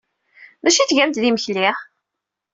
D acu ay d-tgamt d imekli?